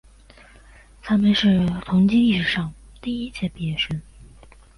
他们是同济历史上的第一届毕业生。